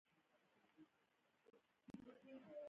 ایا دا تیږه په لیزر ماتیږي؟